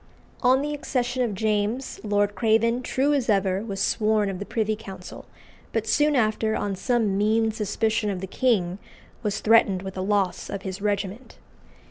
On the accession of James, Lord Craven, true as ever, was sworn of the Privy Council; but soon after, on some mean suspicion of the king, was threatened with the loss of his regiment.